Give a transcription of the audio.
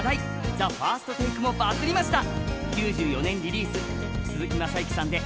「ＴＨＥＦＩＲＳＴＴＡＫＥ」もバズりました。